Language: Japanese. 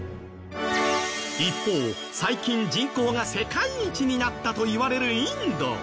一方最近人口が世界一になったといわれるインド。